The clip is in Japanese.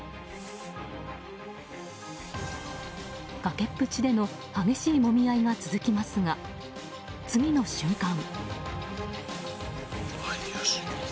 崖っぷちでの激しいもみ合いが続きますが次の瞬間。